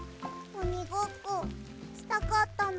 おにごっこしたかったな。